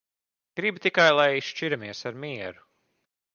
Gribu tikai, lai šķiramies ar mieru.